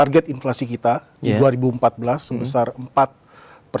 jadi kebijakan b fazas ini di beri penjualan parameter